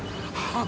ああ。